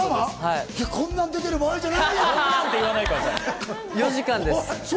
こんなん出てる場合じゃない４時間です。